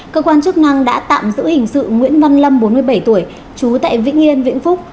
cơ quan chức năng đã tạm giữ hình sự nguyễn văn lâm bốn mươi bảy tuổi trú tại vĩnh yên vĩnh phúc